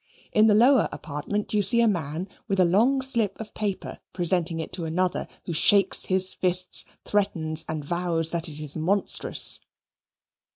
In the lower apartment you see a man with a long slip of paper presenting it to another, who shakes his fists, threatens and vows that it is monstrous.